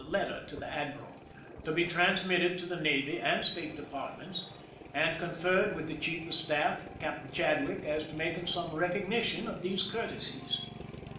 256 PRISON LIFE THE SIEGE letter to the admiral, to be transmitted to tlie Navy and State departments, and conferred with the chief of staff, Captain Chad wick, as to making some recog nition of these courtesies.